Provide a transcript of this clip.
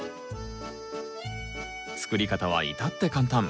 作り方は至って簡単。